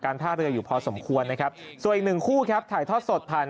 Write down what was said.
ท่าเรืออยู่พอสมควรนะครับส่วนอีกหนึ่งคู่ครับถ่ายทอดสดผ่าน